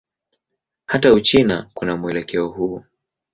Hata Uchina kuna mwelekeo huu.